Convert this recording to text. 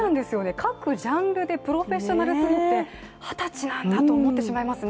各ジャンルでプロフェッショナルすぎて二十歳なんだと思ってしまいますね。